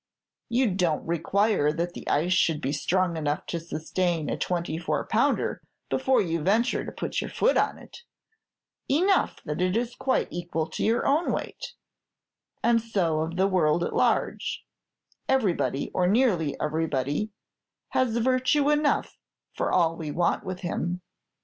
You don't require that the ice should be strong enough to sustain a twenty four pounder before you venture to put foot on it, enough that it is quite equal to your own weight; and so of the world at large, everybody, or nearly everybody, has virtue enough for all we want with him.